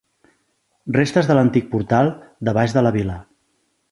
Restes de l'antic portal de Baix de la vila.